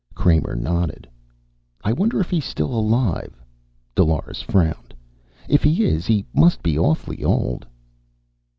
Kramer nodded. "I wonder if he's still alive." Dolores frowned. "If he is he must be awfully old."